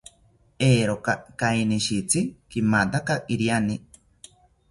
Eeroka kainishitzi kimataka iriani